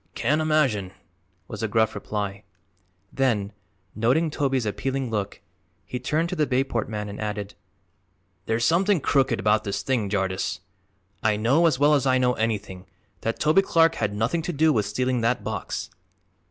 "Can't imagine," was the gruff reply; then, noting Toby's appealing look, he turned to the Bayport man and added: "There's something crooked about this thing, Jardyce. I know, as well as I know anything, that Toby Clark had nothing to do with stealing that box."